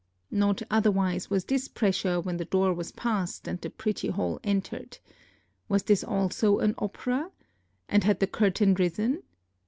Not otherwise was this pressure when the door was passed and the pretty hall entered. Was this also an opera? And had the curtain risen?